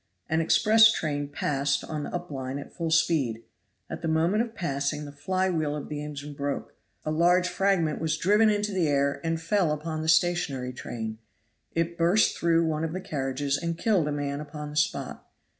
An express train passed on the up line at full speed. At the moment of passing the fly wheel of the engine broke; a large fragment was driven into the air and fell upon the stationary train. It burst through one of the carriages and killed a man upon the spot.